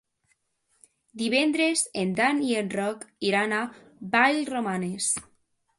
Divendres en Dan i en Roc iran a Vallromanes.